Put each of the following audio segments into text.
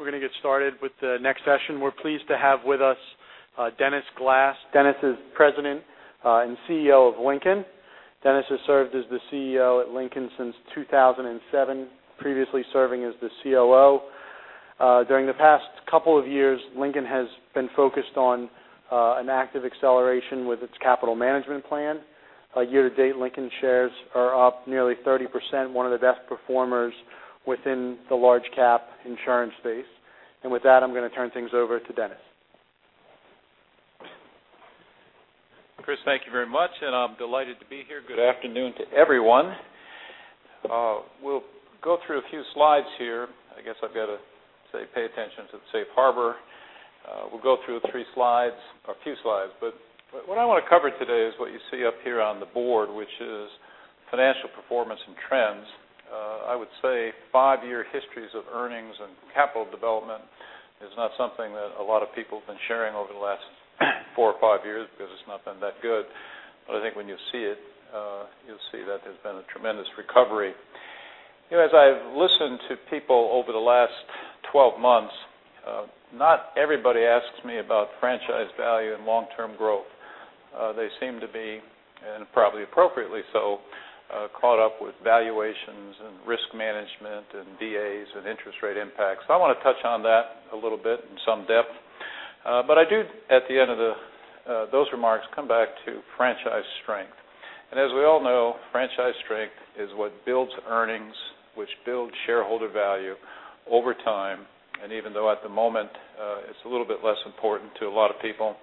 We're going to get started with the next session. We're pleased to have with us Dennis Glass. Dennis is President and CEO of Lincoln. Dennis has served as the CEO at Lincoln since 2007, previously serving as the COO. During the past couple of years, Lincoln has been focused on an active acceleration with its capital management plan. Year-to-date, Lincoln shares are up nearly 30%, one of the best performers within the large cap insurance space. With that, I'm going to turn things over to Dennis. Chris, thank you very much, and I'm delighted to be here. Good afternoon to everyone. We'll go through a few slides here. I guess I've got to say, pay attention to the safe harbor. We'll go through three slides, a few slides. What I want to cover today is what you see up here on the board, which is financial performance and trends. I would say five-year histories of earnings and capital development is not something that a lot of people have been sharing over the last four or five years because it's not been that good. I think when you see it, you'll see that there's been a tremendous recovery. As I've listened to people over the last 12 months, not everybody asks me about franchise value and long-term growth. They seem to be, and probably appropriately so, caught up with valuations and risk management and VAs and interest rate impacts. I want to touch on that a little bit in some depth. I do, at the end of those remarks, come back to franchise strength. As we all know, franchise strength is what builds earnings, which build shareholder value over time. Even though at the moment it's a little bit less important to a lot of people,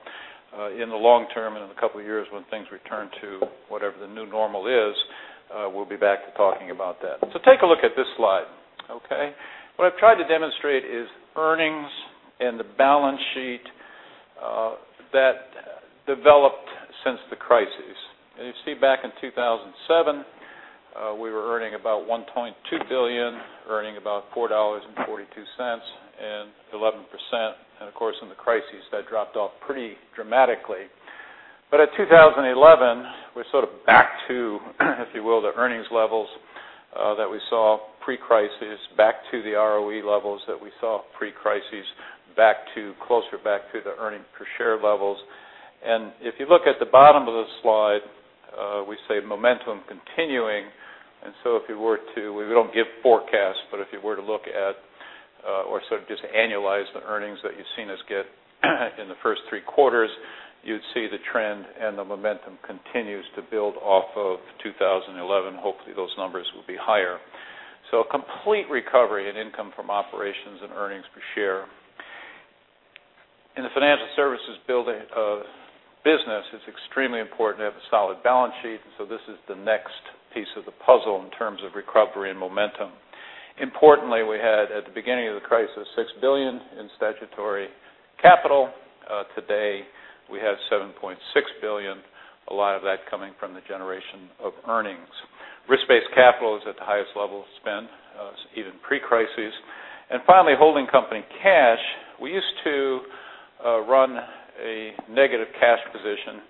in the long term and in a couple of years when things return to whatever the new normal is, we'll be back to talking about that. Take a look at this slide. Okay? What I've tried to demonstrate is earnings and the balance sheet that developed since the crisis. You see back in 2007, we were earning about $1.2 billion, earning about $4.42 and 11%. Of course, in the crisis, that dropped off pretty dramatically. At 2011, we're sort of back to, if you will, the earnings levels that we saw pre-crisis, back to the ROE levels that we saw pre-crisis, closer back to the earning per share levels. If you look at the bottom of the slide, we say momentum continuing. We don't give forecasts, but if you were to look at or sort of just annualize the earnings that you've seen us get in the first three quarters, you'd see the trend and the momentum continues to build off of 2011. Hopefully, those numbers will be higher. A complete recovery in income from operations and earnings per share. In the financial services business, it's extremely important to have a solid balance sheet. This is the next piece of the puzzle in terms of recovery and momentum. Importantly, we had at the beginning of the crisis, $6 billion in statutory capital. Today, we have $7.6 billion, a lot of that coming from the generation of earnings. Risk-based capital is at the highest level it's been, even pre-crisis. Finally, holding company cash. We used to run a negative cash position.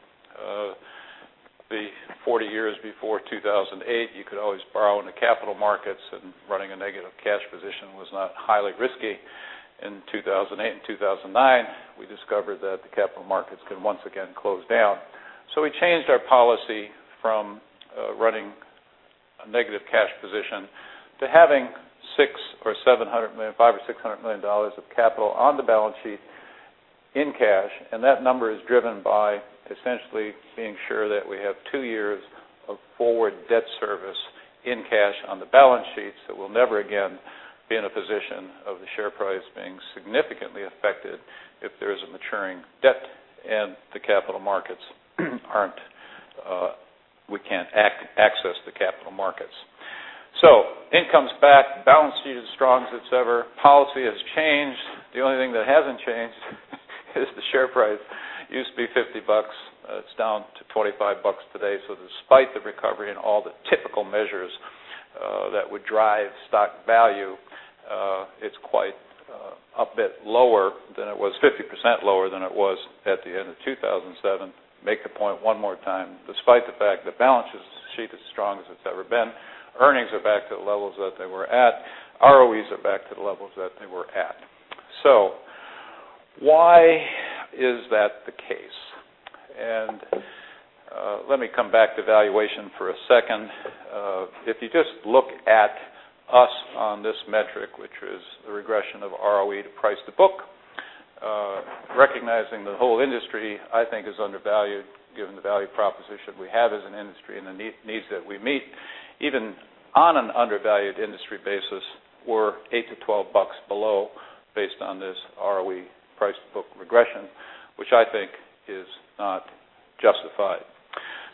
The 40 years before 2008, you could always borrow in the capital markets, and running a negative cash position was not highly risky. In 2008 and 2009, we discovered that the capital markets can once again close down. We changed our policy from running a negative cash position to having $500 or $600 million of capital on the balance sheet in cash. That number is driven by essentially being sure that we have two years of forward debt service in cash on the balance sheets, that we'll never again be in a position of the share price being significantly affected if there is a maturing debt and we can't access the capital markets. Incomes back, balance sheet as strong as it's ever, policy has changed. The only thing that hasn't changed is the share price. Used to be $50. It's down to $25 today. Despite the recovery in all the typical measures that would drive stock value, it's quite a bit lower than it was, 50% lower than it was at the end of 2007. Make the point one more time. Despite the fact the balance sheet is as strong as it's ever been, earnings are back to the levels that they were at. ROEs are back to the levels that they were at. Why is that the case? Let me come back to valuation for a second. If you just look at us on this metric, which is the regression of ROE to price to book, recognizing the whole industry, I think, is undervalued, given the value proposition we have as an industry and the needs that we meet. Even on an undervalued industry basis, we're $8-$12 below, based on this ROE price to book regression, which I think is not justified.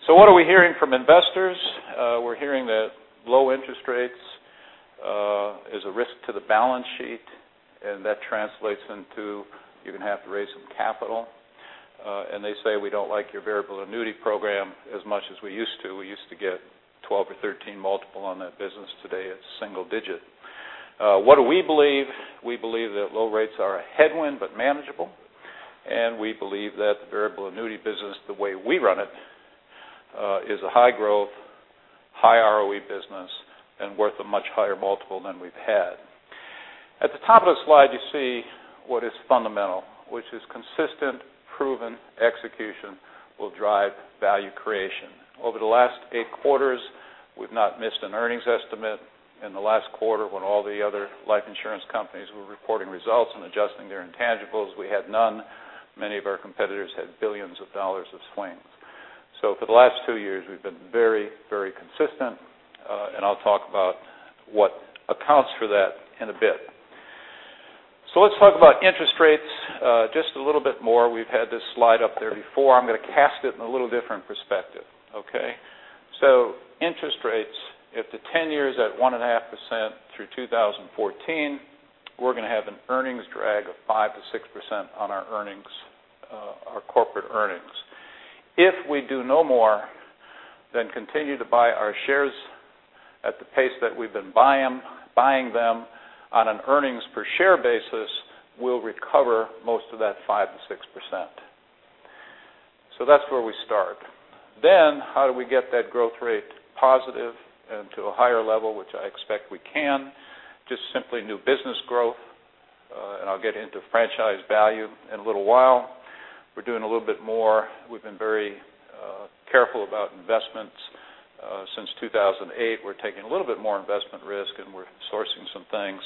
What are we hearing from investors? We're hearing that low interest rates is a risk to the balance sheet. That translates into you're going to have to raise some capital. They say, "We don't like your variable annuity program as much as we used to. We used to get 12 or 13 multiple on that business. Today, it's single digit." What do we believe? We believe that low rates are a headwind, but manageable. We believe that the variable annuity business, the way we run it is a high growth, high ROE business, and worth a much higher multiple than we've had. At the top of the slide, you see what is fundamental, which is consistent, proven execution will drive value creation. Over the last eight quarters, we've not missed an earnings estimate. In the last quarter, when all the other life insurance companies were reporting results and adjusting their intangibles, we had none. Many of our competitors had billions of dollars of swings. For the last two years, we've been very consistent, I'll talk about what accounts for that in a bit. Let's talk about interest rates just a little bit more. We've had this slide up there before. I'm going to cast it in a little different perspective. Okay. Interest rates, if the 10-year is at 1.5% through 2014, we're going to have an earnings drag of 5%-6% on our corporate earnings. If we do no more than continue to buy our shares at the pace that we've been buying them, on an earnings per share basis, we'll recover most of that 5%-6%. That's where we start. How do we get that growth rate positive and to a higher level, which I expect we can. Just simply new business growth, I'll get into franchise value in a little while. We're doing a little bit more. We've been very careful about investments since 2008. We're taking a little bit more investment risk, and we're sourcing some things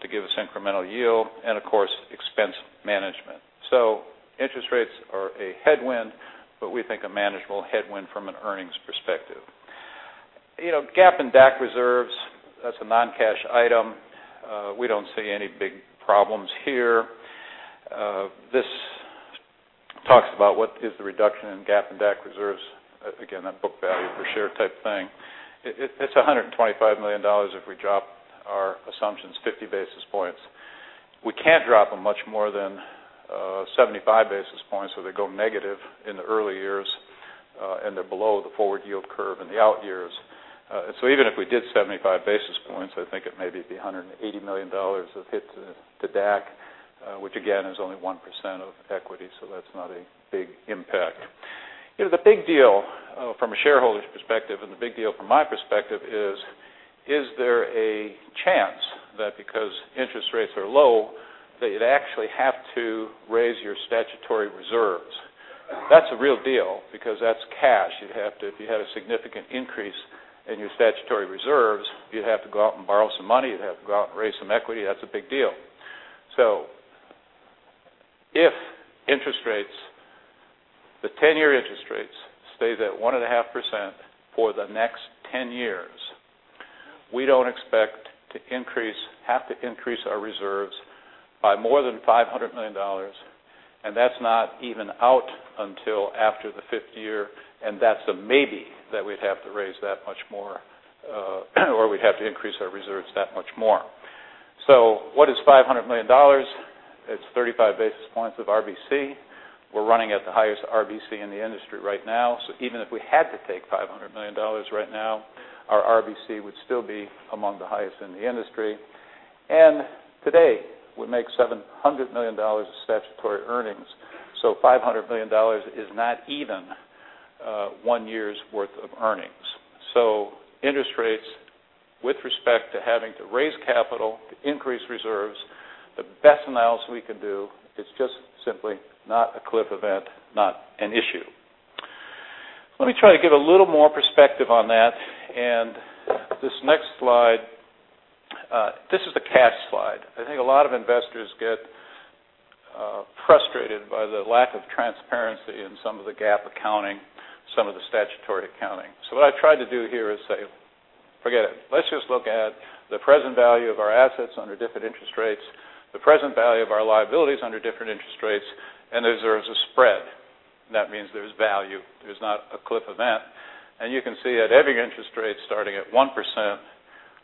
to give us incremental yield. Of course, expense management. Interest rates are a headwind, but we think a manageable headwind from an earnings perspective. GAAP and DAC reserves, that's a non-cash item. We don't see any big problems here. This talks about what is the reduction in GAAP and DAC reserves. Again, that book value per share type thing. It's $125 million if we drop our assumptions 50 basis points. We can't drop them much more than 75 basis points, or they go negative in the early years, and they're below the forward yield curve in the out years. Even if we did 75 basis points, I think it may be $180 million of hit to DAC, which again, is only 1% of equity, that's not a big impact. The big deal from a shareholder's perspective and the big deal from my perspective is there a chance that because interest rates are low, that you'd actually have to raise your statutory reserves? That's a real deal because that's cash. If you had a significant increase in your statutory reserves, you'd have to go out and borrow some money, you'd have to go out and raise some equity. That's a big deal. If the 10-year interest rates stay at 1.5% for the next 10 years, we don't expect to have to increase our reserves by more than $500 million, and that's not even out until after the fifth year, and that's a maybe that we'd have to raise that much more, or we'd have to increase our reserves that much more. What is $500 million? It's 35 basis points of RBC. We're running at the highest RBC in the industry right now. Even if we had to take $500 million right now, our RBC would still be among the highest in the industry. Today, we make $700 million of statutory earnings. $500 million is not even one year's worth of earnings. Interest rates, with respect to having to raise capital to increase reserves, the best analysis we can do is just simply not a cliff event, not an issue. Let me try to give a little more perspective on that. This next slide, this is the cash slide. I think a lot of investors get frustrated by the lack of transparency in some of the GAAP accounting, some of the statutory accounting. What I tried to do here is say, "Forget it. Let's just look at the present value of our assets under different interest rates, the present value of our liabilities under different interest rates, and there's a spread." That means there's value. There's not a cliff event. You can see at every interest rate, starting at 1%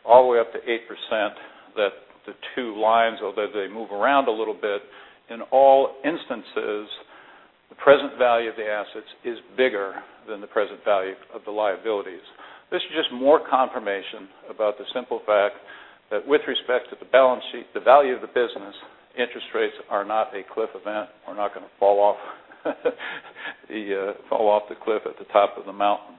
all the way up to 8%, that the two lines, although they move around a little bit, in all instances, the present value of the assets is bigger than the present value of the liabilities. This is just more confirmation about the simple fact that with respect to the balance sheet, the value of the business, interest rates are not a cliff event. We're not going to fall off the cliff at the top of the mountain.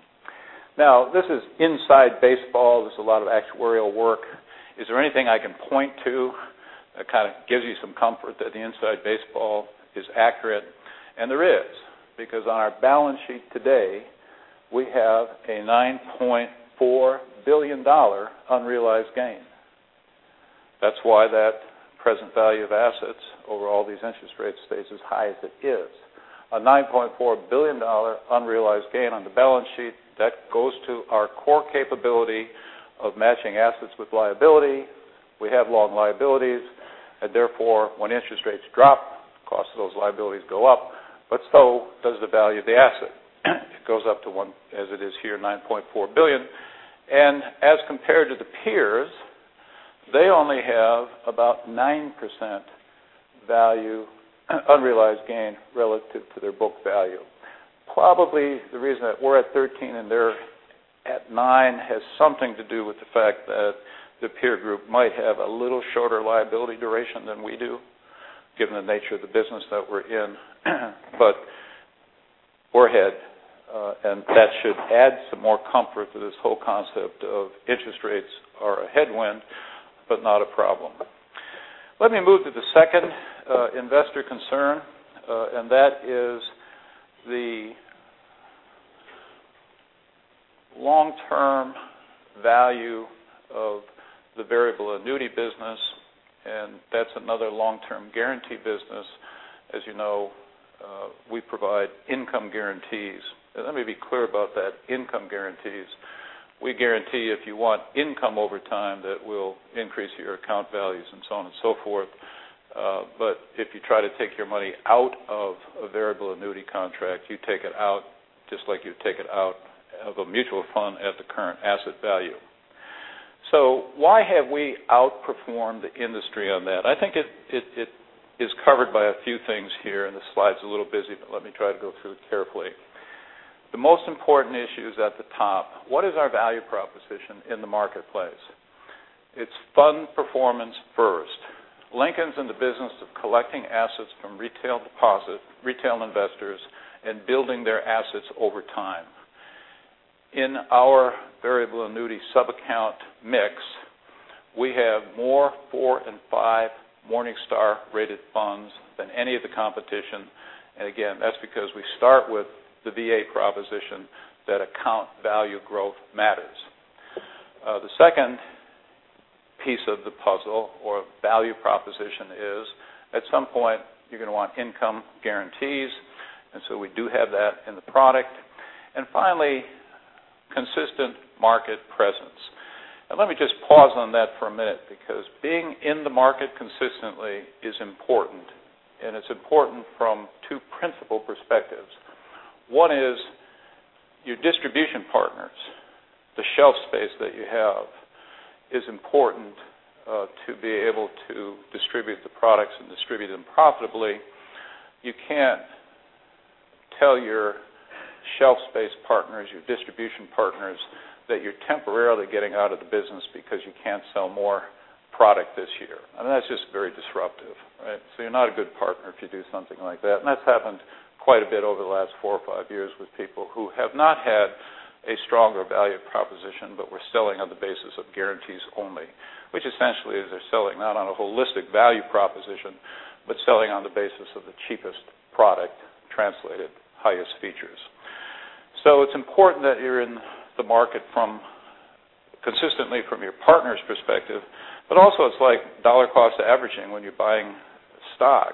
This is inside baseball. There's a lot of actuarial work. Is there anything I can point to that kind of gives you some comfort that the inside baseball is accurate? There is, because on our balance sheet today, we have a $9.4 billion unrealized gain. That's why that present value of assets over all these interest rates stays as high as it is. A $9.4 billion unrealized gain on the balance sheet, that goes to our core capability of matching assets with liability. We have long liabilities, and therefore when interest rates drop, cost of those liabilities go up, but so does the value of the asset. It goes up to one, as it is here, $9.4 billion. As compared to the peers, they only have about 9% value unrealized gain relative to their book value. Probably the reason that we're at 13% and they're at 9% has something to do with the fact that the peer group might have a little shorter liability duration than we do Given the nature of the business that we're in. We're ahead, and that should add some more comfort to this whole concept of interest rates are a headwind, but not a problem. Let me move to the second investor concern, that is the long-term value of the variable annuity business, and that's another long-term guarantee business. As you know, we provide income guarantees. Let me be clear about that, income guarantees. We guarantee if you want income over time, that we'll increase your account values and so on and so forth. If you try to take your money out of a variable annuity contract, you take it out just like you take it out of a mutual fund at the current asset value. Why have we outperformed the industry on that? I think it is covered by a few things here, and this slide's a little busy, but let me try to go through it carefully. The most important issue is at the top. What is our value proposition in the marketplace? It's fund performance first. Lincoln's in the business of collecting assets from retail investors and building their assets over time. In our variable annuity subaccount mix, we have more four and five Morningstar rated funds than any of the competition. Again, that's because we start with the VA proposition that account value growth matters. The second piece of the puzzle or value proposition is, at some point, you're going to want income guarantees. So we do have that in the product. Finally, consistent market presence. Let me just pause on that for a minute, because being in the market consistently is important, and it's important from two principal perspectives. One is your distribution partners. The shelf space that you have is important to be able to distribute the products and distribute them profitably. You can't tell your shelf space partners, your distribution partners, that you're temporarily getting out of the business because you can't sell more product this year. I mean, that's just very disruptive, right? You're not a good partner if you do something like that. That's happened quite a bit over the last four or five years with people who have not had a stronger value proposition but were selling on the basis of guarantees only. Which essentially is they're selling not on a holistic value proposition, but selling on the basis of the cheapest product, translated highest features. It's important that you're in the market consistently from your partner's perspective, but also it's like dollar cost averaging when you're buying stock.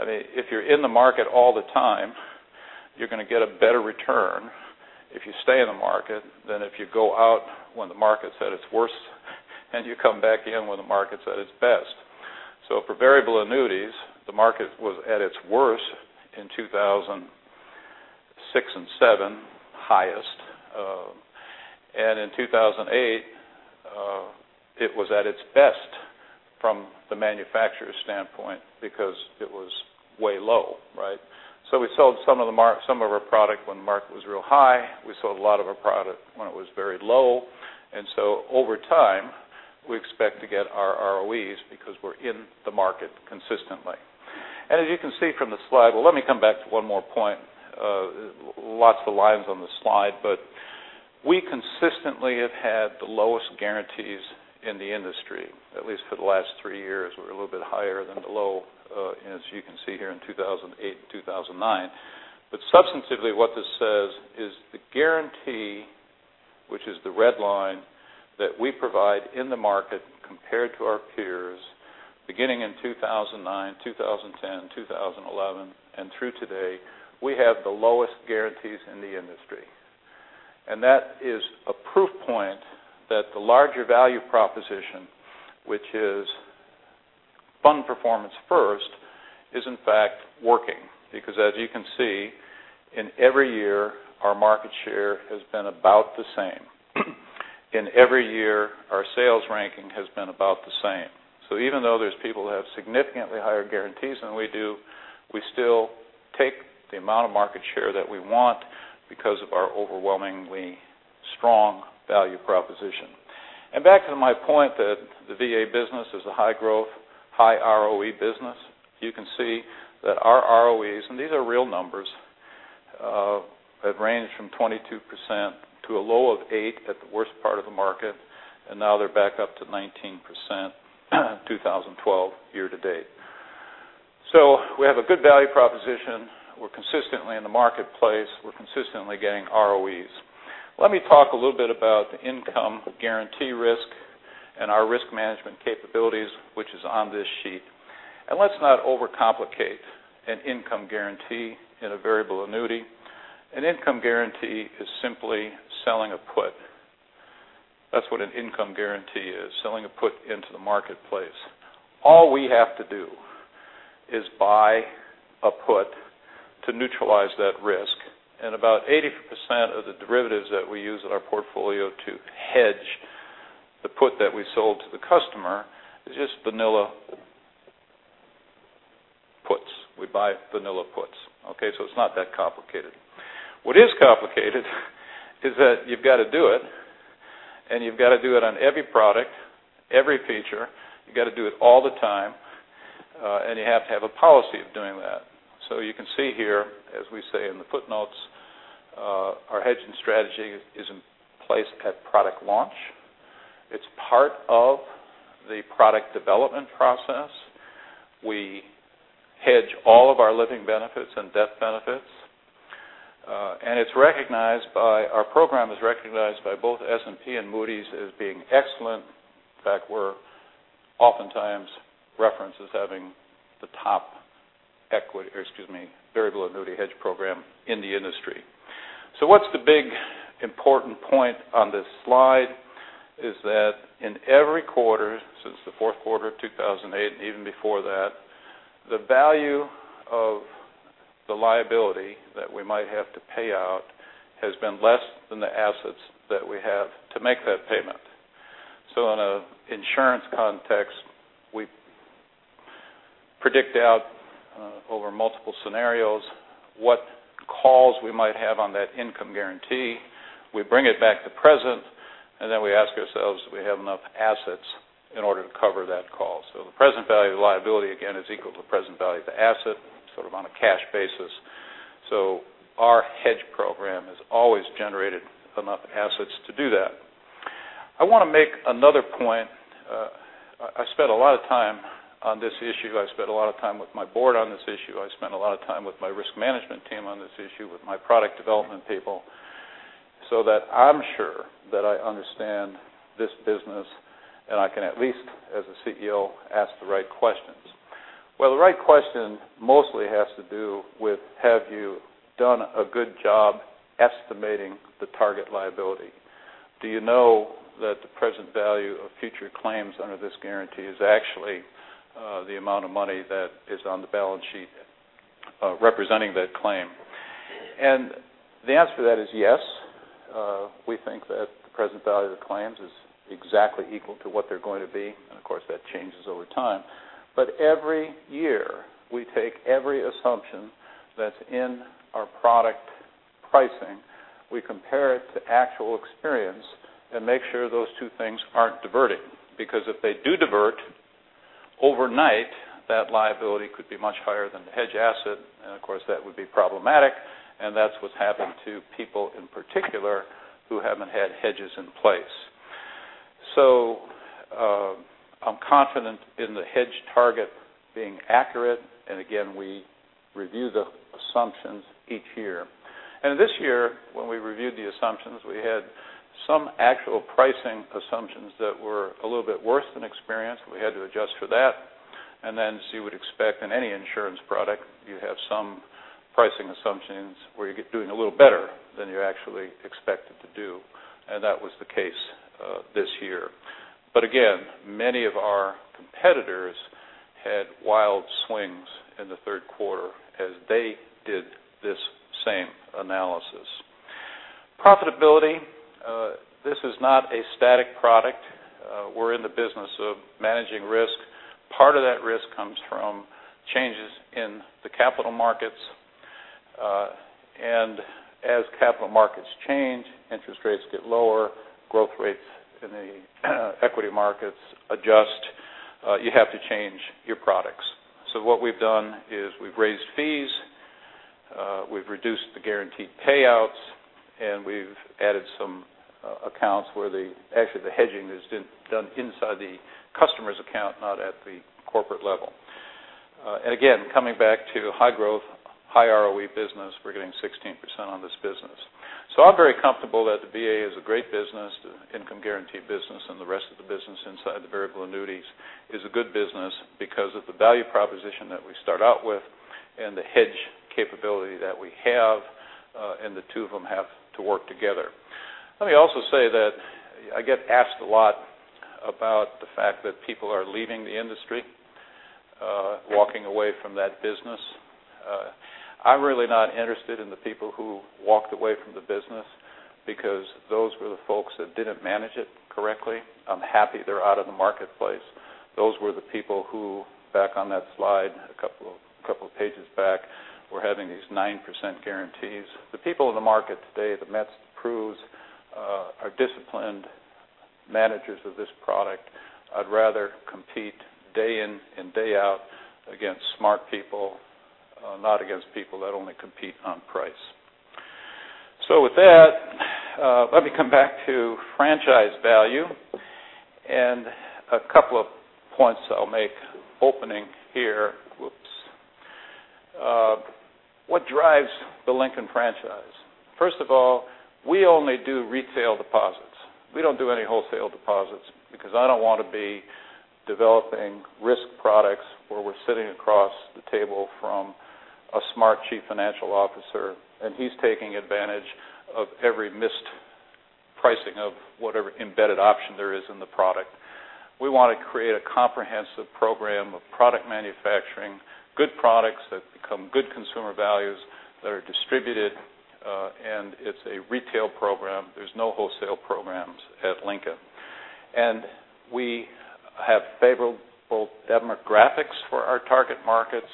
If you're in the market all the time, you're going to get a better return if you stay in the market than if you go out when the market's at its worst and you come back in when the market's at its best. For variable annuities, the market was at its worst in 2006 and 2007, highest. In 2008, it was at its best from the manufacturer's standpoint because it was way low, right? We sold some of our product when the market was real high. We sold a lot of our product when it was very low. Over time, we expect to get our ROEs because we're in the market consistently. As you can see from the slide-- well, let me come back to one more point. Lots of lines on the slide, but we consistently have had the lowest guarantees in the industry. At least for the last three years, we're a little bit higher than the low, as you can see here in 2008 and 2009. Substantively, what this says is the guarantee, which is the red line that we provide in the market compared to our peers beginning in 2009, 2010, 2011, and through today, we have the lowest guarantees in the industry. That is a proof point that the larger value proposition, which is fund performance first, is in fact working. Because as you can see, in every year, our market share has been about the same. In every year, our sales ranking has been about the same. Even though there's people that have significantly higher guarantees than we do, we still take the amount of market share that we want because of our overwhelmingly strong value proposition. Back to my point that the VA business is a high growth, high ROE business. You can see that our ROEs, and these are real numbers, have ranged from 22% to a low of eight at the worst part of the market, and now they're back up to 19% 2012 year to date. We have a good value proposition. We're consistently in the marketplace. We're consistently getting ROEs. Let me talk a little bit about the income guarantee risk and our risk management capabilities, which is on this sheet. Let's not overcomplicate an income guarantee in a variable annuity. An income guarantee is simply selling a put. That's what an income guarantee is, selling a put into the marketplace. All we have to do is buy a put to neutralize that risk, and about 80% of the derivatives that we use in our portfolio to hedge the put that we sold to the customer is just vanilla puts. We buy vanilla puts. Okay? It's not that complicated. What is complicated is that you've got to do it. You've got to do it on every product, every feature. You got to do it all the time. You have to have a policy of doing that. You can see here, as we say in the footnotes, our hedging strategy is in place at product launch. It's part of the product development process. We hedge all of our living benefits and death benefits. Our program is recognized by both S&P and Moody's as being excellent. In fact, we're oftentimes referenced as having the top variable annuity hedge program in the industry. What's the big important point on this slide is that in every quarter since the fourth quarter of 2008, and even before that, the value of the liability that we might have to pay out has been less than the assets that we have to make that payment. In an insurance context, we predict out over multiple scenarios what calls we might have on that income guarantee. We bring it back to present, then we ask ourselves, do we have enough assets in order to cover that call? The present value of the liability, again, is equal to the present value of the asset, sort of on a cash basis. Our hedge program has always generated enough assets to do that. I want to make another point. I spent a lot of time on this issue. I spent a lot of time with my board on this issue. I spent a lot of time with my risk management team on this issue, with my product development people, so that I'm sure that I understand this business, and I can at least, as a CEO, ask the right questions. Well, the right question mostly has to do with have you done a good job estimating the target liability? Do you know that the present value of future claims under this guarantee is actually the amount of money that is on the balance sheet representing that claim? The answer to that is yes. We think that the present value of the claims is exactly equal to what they're going to be, of course, that changes over time. Every year, we take every assumption that's in our product pricing. We compare it to actual experience and make sure those two things aren't diverting because if they do divert, overnight, that liability could be much higher than the hedge asset, and of course, that would be problematic, and that's what's happened to people in particular who haven't had hedges in place. I'm confident in the hedge target being accurate. Again, we review the assumptions each year. This year, when we reviewed the assumptions, we had some actual pricing assumptions that were a little bit worse than experienced. We had to adjust for that. As you would expect in any insurance product, you have some pricing assumptions where you're doing a little better than you're actually expected to do. That was the case this year. Again, many of our competitors had wild swings in the third quarter as they did this same analysis. Profitability. This is not a static product. We're in the business of managing risk. Part of that risk comes from changes in the capital markets. As capital markets change, interest rates get lower, growth rates in the equity markets adjust. You have to change your products. What we've done is we've raised fees, we've reduced the guaranteed payouts, and we've added some accounts where actually the hedging is done inside the customer's account, not at the corporate level. Again, coming back to high growth, high ROE business, we're getting 16% on this business. I'm very comfortable that the VA is a great business. The income guarantee business and the rest of the business inside the variable annuities is a good business because of the value proposition that we start out with and the hedge capability that we have, and the two of them have to work together. Let me also say that I get asked a lot about the fact that people are leaving the industry, walking away from that business. I'm really not interested in the people who walked away from the business because those were the folks that didn't manage it correctly. I'm happy they're out of the marketplace. Those were the people who, back on that slide a couple of pages back, were having these 9% guarantees. The people in the market today, the Mets, the Prus, are disciplined managers of this product. I'd rather compete day in and day out against smart people, not against people that only compete on price. With that, let me come back to franchise value. A couple of points I'll make opening here. Whoops. What drives the Lincoln franchise? First of all, we only do retail deposits. We don't do any wholesale deposits because I don't want to be developing risk products where we're sitting across the table from a smart chief financial officer, and he's taking advantage of every missed pricing of whatever embedded option there is in the product. We want to create a comprehensive program of product manufacturing, good products that become good consumer values that are distributed, and it's a retail program. There's no wholesale programs at Lincoln. We have favorable demographics for our target markets.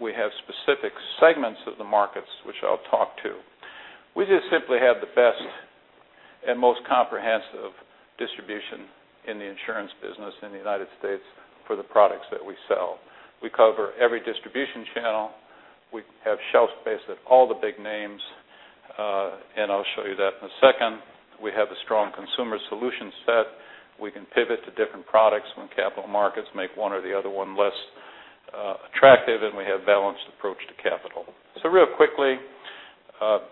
We have specific segments of the markets which I'll talk to. We just simply have the best and most comprehensive distribution in the insurance business in the U.S. for the products that we sell. We cover every distribution channel. We have shelf space at all the big names, and I'll show you that in a second. We have a strong consumer solution set. We can pivot to different products when capital markets make one or the other one less attractive, and we have a balanced approach to capital. Real quickly,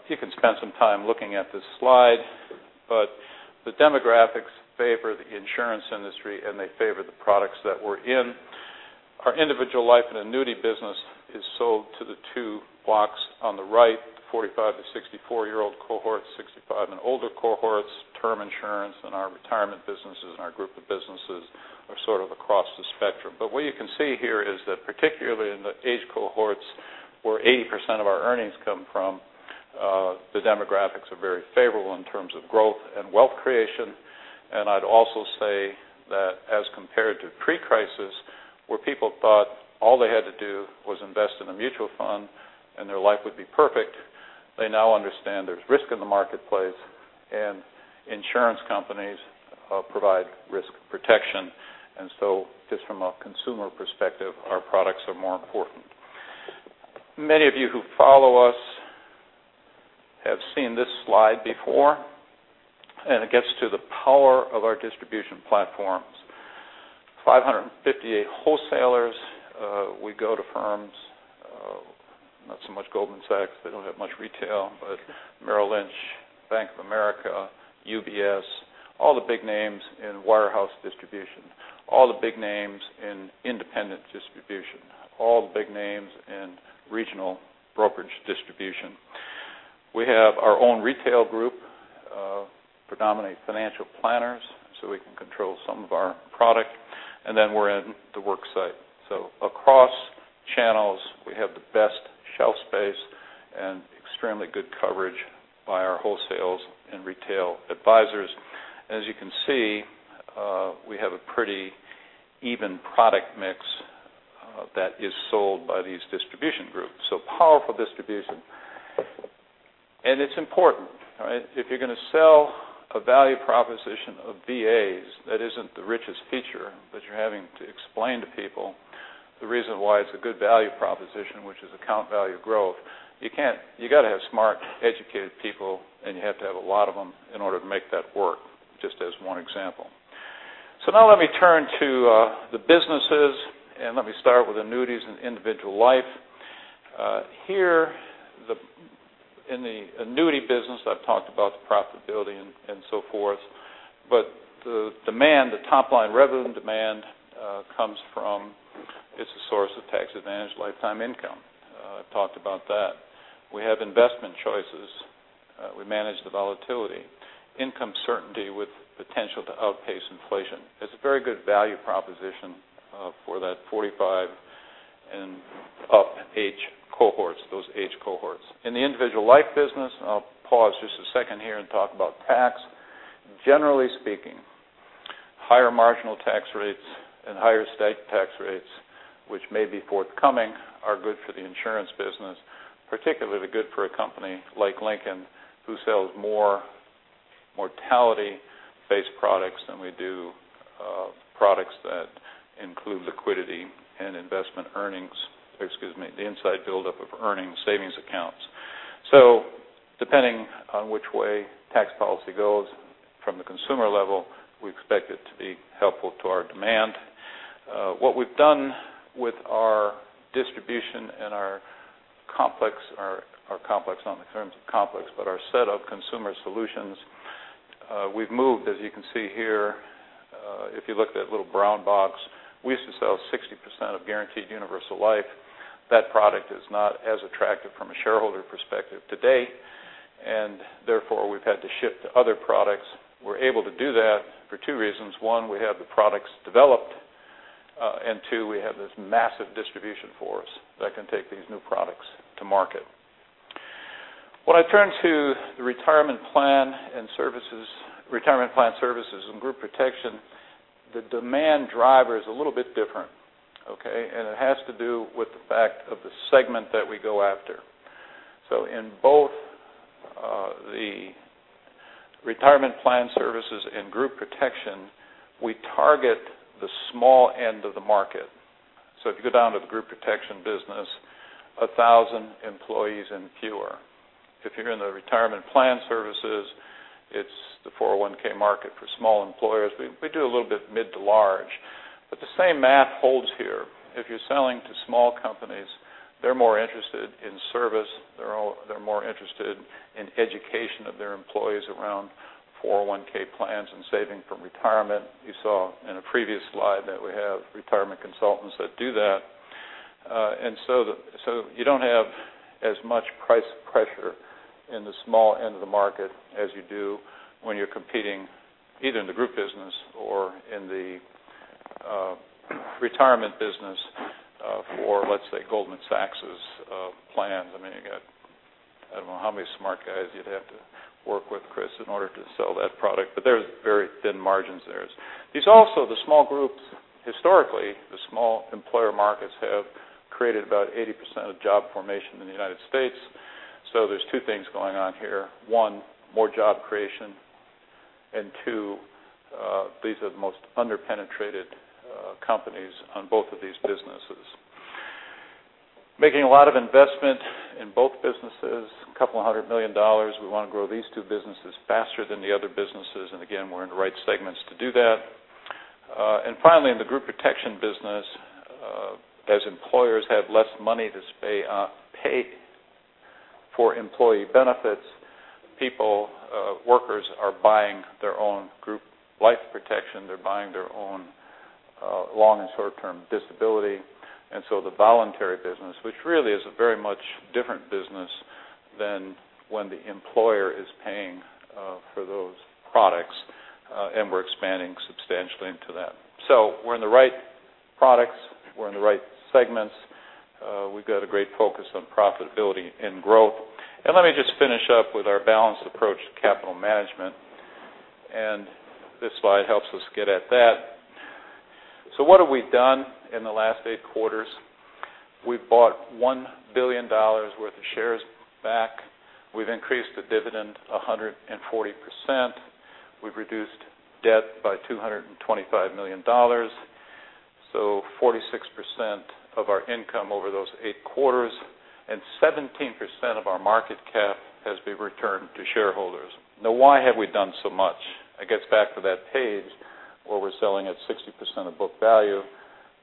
you can spend some time looking at this slide, the demographics favor the insurance industry, and they favor the products that we're in. Our individual life and annuity business is sold to the two blocks on the right, 45 to 64-year-old cohort, 65 and older cohorts, term insurance, and our retirement businesses and our group of businesses are sort of across the spectrum. What you can see here is that, particularly in the age cohorts where 80% of our earnings come from, the demographics are very favorable in terms of growth and wealth creation. I'd also say that as compared to pre-crisis, where people thought all they had to do was invest in a mutual fund and their life would be perfect, they now understand there's risk in the marketplace and insurance companies provide risk protection. Just from a consumer perspective, our products are more important. Many of you who follow us have seen this slide before, and it gets to the power of our distribution platforms. 558 wholesalers. We go to firms, not so much Goldman Sachs, they don't have much retail. Merrill Lynch, Bank of America, UBS, all the big names in wire house distribution. All the big names in independent distribution, all the big names in regional brokerage distribution. We have our own retail group, predominantly financial planners, so we can control some of our product, and then we're in the worksite. Across channels, we have the best shelf space and extremely good coverage by our wholesalers and retail advisors. As you can see, we have a pretty even product mix that is sold by these distribution groups. Powerful distribution. It's important, right? If you're going to sell a value proposition of VAs that isn't the richest feature, that you're having to explain to people the reason why it's a good value proposition, which is account value growth, you got to have smart, educated people, and you have to have a lot of them in order to make that work, just as one example. Now let me turn to the businesses, let me start with annuities and individual life. Here in the annuity business, I've talked about the profitability and so forth, the demand, the top-line revenue demand comes from, it's a source of tax-advantaged lifetime income. I've talked about that. We have investment choices. We manage the volatility. Income certainty with potential to outpace inflation. It's a very good value proposition for that 45 and up age cohorts, those age cohorts. In the individual life business, I'll pause just a second here and talk about tax. Generally speaking, higher marginal tax rates and higher state tax rates, which may be forthcoming, are good for the insurance business, particularly good for a company like Lincoln, who sells more mortality-based products than we do products that include liquidity and investment earnings, excuse me, the inside buildup of earnings savings accounts. Depending on which way tax policy goes from the consumer level, we expect it to be helpful to our demand. What we've done with our distribution and our complex, not in the terms of complex, but our set of consumer solutions, we've moved, as you can see here, if you look at that little brown box, we used to sell 60% of guaranteed universal life. That product is not as attractive from a shareholder perspective today, and therefore, we've had to shift to other products. We're able to do that for two reasons. One, we have the products developed, and two, we have this massive distribution force that can take these new products to market. When I turn to the Retirement Plan Services and Group Protection, the demand driver is a little bit different, okay? It has to do with the fact of the segment that we go after. In both the Retirement Plan Services and Group Protection, we target the small end of the market. If you go down to the Group Protection business, 1,000 employees and fewer. If you're in the Retirement Plan Services, it's the 401 market for small employers. We do a little bit mid to large, but the same math holds here. If you're selling to small companies, they're more interested in service, they're more interested in education of their employees around 401 plans and saving for retirement. You saw in a previous slide that we have retirement consultants that do that. You don't have as much price pressure in the small end of the market as you do when you're competing, either in the group business or in the retirement business for, let's say, Goldman Sachs. How many smart guys you'd have to work with, Chris, in order to sell that product? There's very thin margins there. These also, the small groups, historically, the small employer markets have created about 80% of job formation in the U.S. There's two things going on here. One, more job creation, and two, these are the most under-penetrated companies on both of these businesses. Making a lot of investment in both businesses, a couple of hundred million dollars. We want to grow these two businesses faster than the other businesses, and again, we're in the right segments to do that. Finally, in the Group Protection business, as employers have less money to pay for employee benefits, people, workers are buying their own group life protection. They're buying their own long- and short-term disability. The voluntary business, which really is a very much different business than when the employer is paying for those products, and we're expanding substantially into that. We're in the right products. We're in the right segments. We've got a great focus on profitability and growth. Let me just finish up with our balanced approach to capital management, and this slide helps us get at that. What have we done in the last eight quarters? We've bought $1 billion worth of shares back. We've increased the dividend 140%. We've reduced debt by $225 million. 46% of our income over those eight quarters and 17% of our market cap has been returned to shareholders. Why have we done so much? It gets back to that page where we're selling at 60% of book value.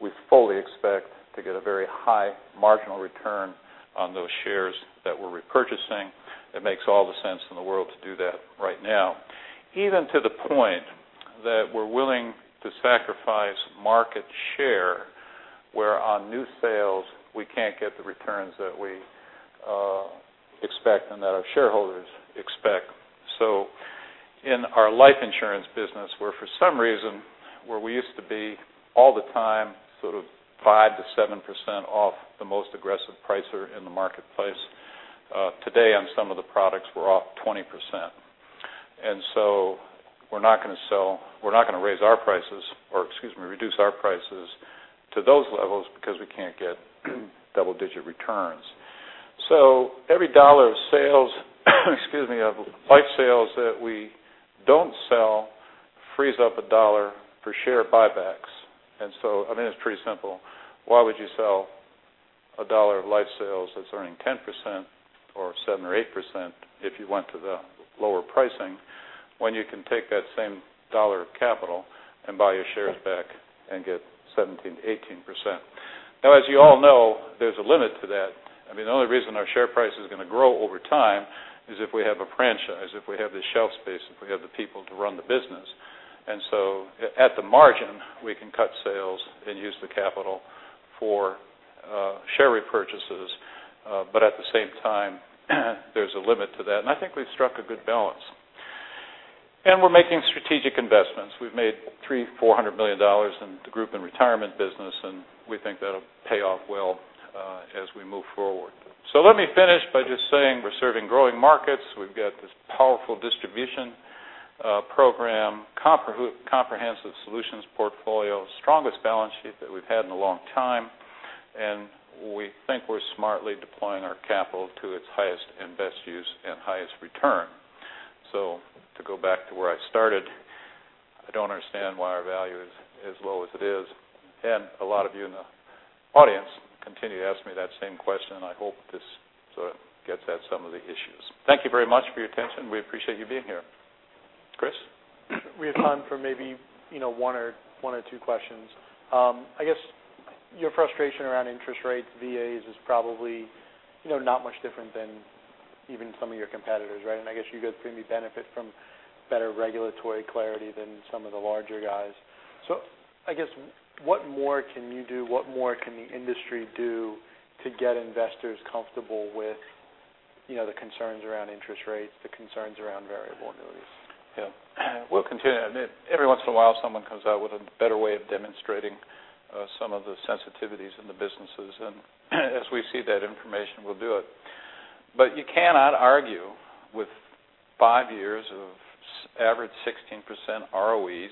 We fully expect to get a very high marginal return on those shares that we're repurchasing. It makes all the sense in the world to do that right now. Even to the point that we're willing to sacrifice market share, where on new sales, we can't get the returns that we expect and that our shareholders expect. In our life insurance business, where for some reason, where we used to be all the time sort of 5%-7% off the most aggressive pricer in the marketplace, today on some of the products we're off 20%. We're not going to raise our prices, or excuse me, reduce our prices to those levels because we can't get double-digit returns. Every dollar of life sales that we don't sell frees up a dollar per share buybacks. It's pretty simple. Why would you sell a dollar of life sales that's earning 10% or 7% or 8% if you went to the lower pricing when you can take that same dollar of capital and buy your shares back and get 17%-18%? As you all know, there's a limit to that. The only reason our share price is going to grow over time is if we have a franchise, if we have the shelf space, if we have the people to run the business. At the margin, we can cut sales and use the capital for share repurchases. At the same time, there's a limit to that. I think we've struck a good balance. We're making strategic investments. We've made $300 million, $400 million in the group and retirement business, and we think that'll pay off well as we move forward. Let me finish by just saying we're serving growing markets. We've got this powerful distribution program, comprehensive solutions portfolio, strongest balance sheet that we've had in a long time, and we think we're smartly deploying our capital to its highest and best use and highest return. To go back to where I started, I don't understand why our value is as low as it is, and a lot of you in the audience continue to ask me that same question, and I hope this sort of gets at some of the issues. Thank you very much for your attention. We appreciate you being here. Chris? We have time for maybe one or two questions. I guess your frustration around interest rates, VAs is probably not much different than even some of your competitors, right? I guess you guys maybe benefit from better regulatory clarity than some of the larger guys. I guess what more can you do? What more can the industry do to get investors comfortable with the concerns around interest rates, the concerns around variable annuities? Yeah. We'll continue. Every once in a while, someone comes out with a better way of demonstrating some of the sensitivities in the businesses, as we see that information, we'll do it. You cannot argue with five years of average 16% ROEs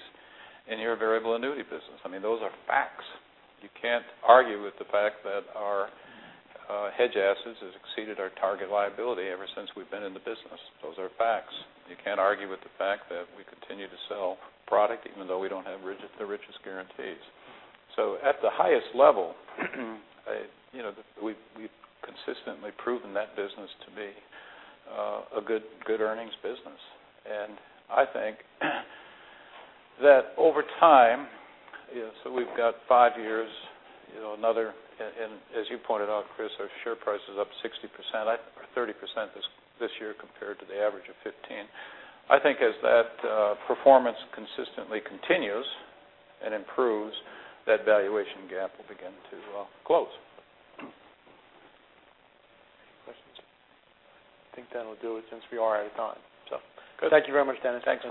in your variable annuity business. Those are facts. You can't argue with the fact that our hedge assets has exceeded our target liability ever since we've been in the business. Those are facts. You can't argue with the fact that we continue to sell product even though we don't have the richest guarantees. At the highest level, we've consistently proven that business to be a good earnings business. I think that over time, we've got five years, another, as you pointed out, Chris, our share price is up 60%, or 30% this year compared to the average of 15. I think as that performance consistently continues and improves, that valuation gap will begin to close. Questions? I think that'll do it since we are out of time. Good. Thank you very much, Dennis. Thanks.